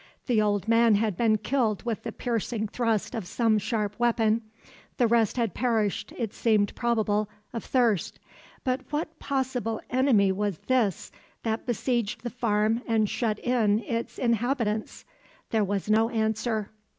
The old man had been killed with the piercing thrust of some sharp weapon; the rest had perished, it seemed probable, of thirst; but what possible enemy was this that besieged the farm and shut in its inhabitants? There was no answer.